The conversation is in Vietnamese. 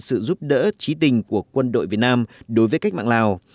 sự giúp đỡ trí tình của quân đội việt nam đối với cách mạng lào